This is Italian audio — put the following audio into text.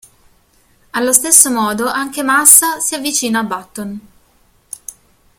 Allo stesso modo anche Massa si avvicina a Button.